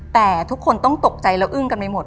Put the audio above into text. แต่ทุกคนต้องตกใจและอึ้งกันไปหมด